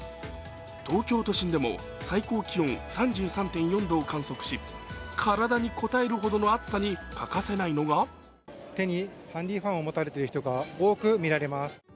東京都心でも最高気温３３．４度を観測し体にこたえるほどの暑さに欠かせないのが手にハンディファンを持たれている方が多く見られます。